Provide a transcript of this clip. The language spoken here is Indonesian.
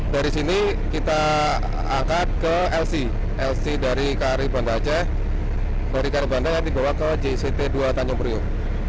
dari sini kita angkat ke lc lc dari kri banda aceh dari kari banda nanti dibawa ke jct dua tanjung priuk